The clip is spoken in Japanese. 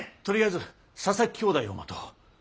とりあえず佐々木兄弟を待とう。